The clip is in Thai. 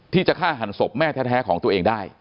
ที่จะฆ่าหันศพแม่แท้ของตัวเองได้